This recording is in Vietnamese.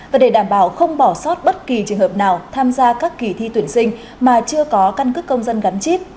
và để đảm bảo không bỏ sót bất kỳ trường hợp nào tham gia các kỳ thi tuyển sinh mà chưa có căn cước công dân gắn chip